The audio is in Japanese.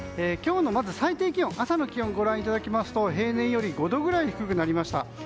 今日のまず最低気温朝の気温をご覧いただきますと平年より５度くらい低くなりました。